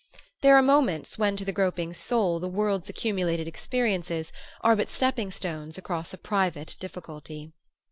There are moments when to the groping soul the world's accumulated experiences are but stepping stones across a private difficulty.